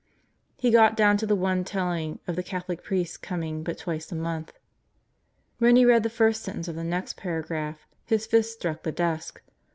He got down to the one telling of the Catholic priest coming but twice a month. When he read the first sentence of the next paragraph his fist struck the desk.